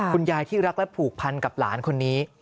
คุณยายที่รักและผูกพันกับหลานคนนี้